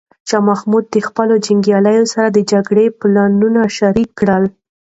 شاه محمود د خپلو جنرالانو سره د جګړې پلانونه شریک کړل.